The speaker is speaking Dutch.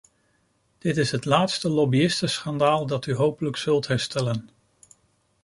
Dit is het laatste lobbyistenschandaal dat u hopelijk zult herstellen.